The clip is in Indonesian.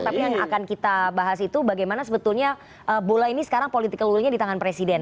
tapi yang akan kita bahas itu bagaimana sebetulnya bola ini sekarang political will nya di tangan presiden